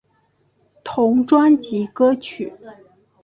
同专辑歌曲。